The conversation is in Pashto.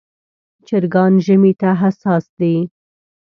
چرګان ژمي ته حساس دي.